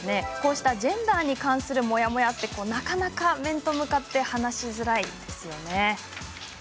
こうしたジェンダーに関するモヤモヤって面と向かって話しづらいですよね。